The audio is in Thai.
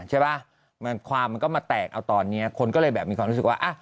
ใช่ป่ะความมันก็มาแตกเอาตอนนี้คนก็เลยแบบมีความรู้สึกว่าอ่ะ